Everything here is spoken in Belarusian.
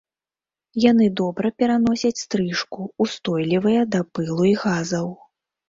Яны добра пераносяць стрыжку, устойлівыя да пылу і газаў.